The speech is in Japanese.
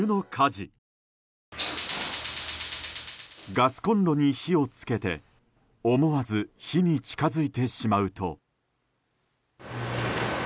ガスコンロに火を付けて思わず火に近づいてしまうと。